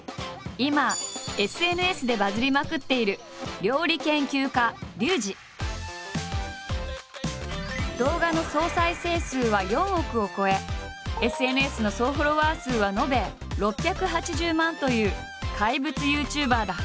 今ＳＮＳでバズりまくっている動画の総再生数は４億を超えＳＮＳの総フォロワー数は延べ６８０万という怪物ＹｏｕＴｕｂｅｒだ。